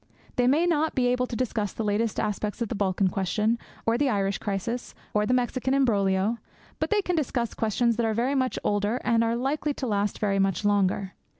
They may not be able to discuss the latest aspects of the Balkan question, or the Irish crisis, or the Mexican embroglio; but they can discuss questions that are very much older and that are likely to last very much longer.